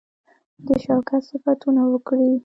د شوکت صفتونه وکړي.